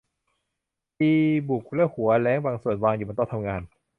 ดีบุกและหัวแร้งบางส่วนวางอยู่บนโต๊ะทำงาน